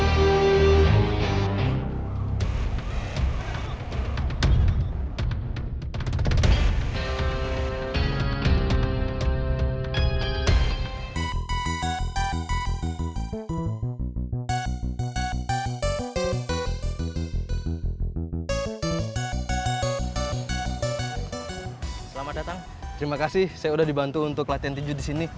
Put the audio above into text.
terima kasih saya sudah dibantu untuk latihan tinju di sini